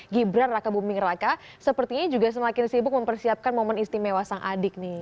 gibran raka buming raka sepertinya juga semakin sibuk mempersiapkan momen istimewa sang adik nih